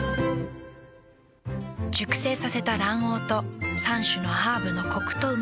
熟成させた卵黄と３種のハーブのコクとうま味。